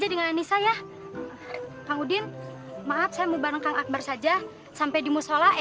eh mau ke musola